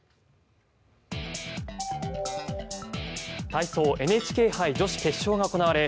体操ＮＨＫ杯女子決勝が行われ